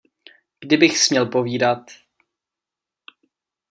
Kdybych směl povídat!